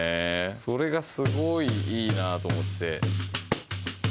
それがすごいいいなと思って。